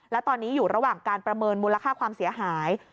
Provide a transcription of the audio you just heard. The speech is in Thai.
และตอนนี้อยู่ระหว่างการประเมินมูลค่าความเสียหาย